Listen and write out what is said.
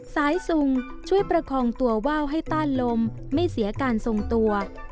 ซุงช่วยประคองตัวว่าวให้ต้านลมไม่เสียการทรงตัว